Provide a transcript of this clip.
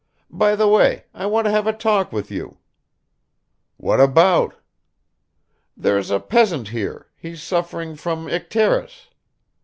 By the way, I want to have a talk with you." "What about?" "There's a peasant here; he's suffering from icterus ..